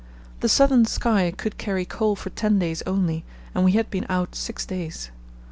The Southern Sky could carry coal for ten days only, and we had been out six days.